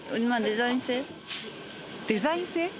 デザイン性？